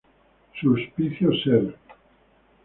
Sulpicio Ser.